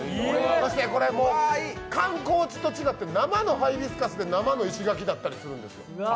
そして、観光地と違って生のハイビスカス生の石垣だったりするんですよ。